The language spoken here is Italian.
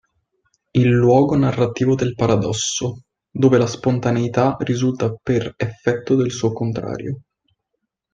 Il luogo narrativo del paradosso, dove la spontaneità risulta per effetto del suo contrario.